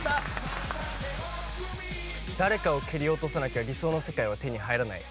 誰かを蹴落とさなきゃ理想の世界は手に入らない！